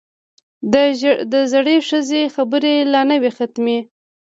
د زړې ښځې خبرې لا نه وې ختمې.